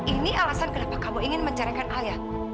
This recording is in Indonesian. ini alasan kenapa kamu ingin mencerahkan alia